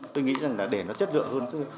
tôi nghĩ rằng là để nó chất lượng hơn chứ